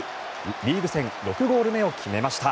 リーグ戦６ゴール目を決めました。